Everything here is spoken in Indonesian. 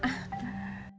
jangan lupa diminum